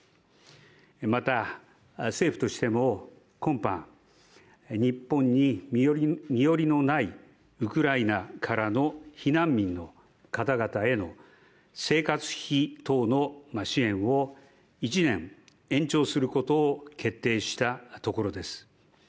また、政府としても今般、日本に身寄りのないウクライナからの避難民の方々への生活費等の支援を１年延長することを決定したところです。